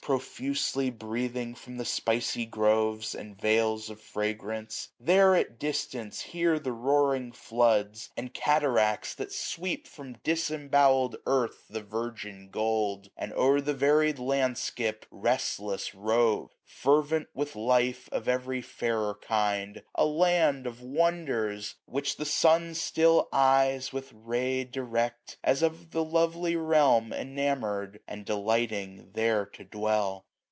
Profusely breathing from the spicy groves, 775 And vales of fragrance ; there at distance hear The roaring floods, and cataracts, that sweep SUMMER. 79 From disembowerd earth the virgin gold ; And o'er the varied landskip, restless, rove. Fervent with life of every fairer kind : 780 A land of wonders ! which the sun still eyeg With ray direct, as of the lovely realm InamourM, and delighting there to dwell.